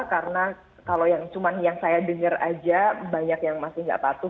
karena kalau yang cuman yang saya dengar saja banyak yang masih nggak patuh